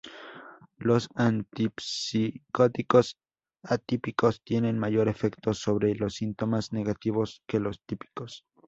Los antipsicóticos atípicos tienen mayor efecto sobre los síntomas negativos que los típicos.